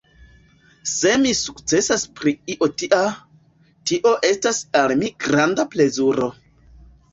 Se mi sukcesas pri io tia, tio estas al mi granda plezuro.